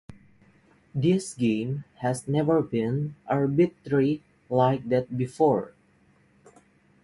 This game has never been arbitrary like that before.